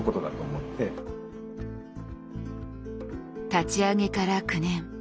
立ち上げから９年。